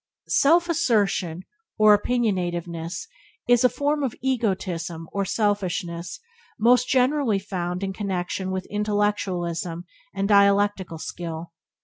Self assertion or opinionativeness is a form of egotism or selfishness most generally found in connection with intellectualism and dialectical skill.